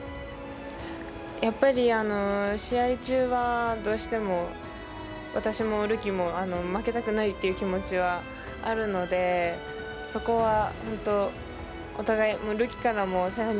やっぱり、試合中はどうしても私もるきも、負けたくないという気持ちはあるので、そこは本当、お互い、もうるきからもせ